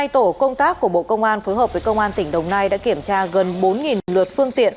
hai tổ công tác của bộ công an phối hợp với công an tỉnh đồng nai đã kiểm tra gần bốn lượt phương tiện